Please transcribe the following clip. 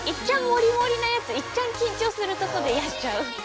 モリモリなやついっちゃん緊張するとこでやっちゃう。